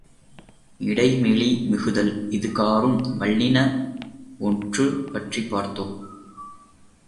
இடை மெலி மிகுதல் இது காறும் வல்லின ஒற்று பற்றிப் பார்த்தோம்.